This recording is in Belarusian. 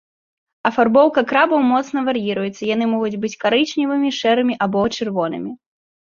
Афарбоўка крабаў моцна вар'іруецца, яны могуць быць карычневымі, шэрымі або чырвонымі.